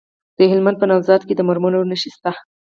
د هلمند په نوزاد کې د مرمرو نښې شته.